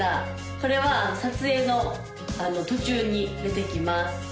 これは撮影の途中に出てきます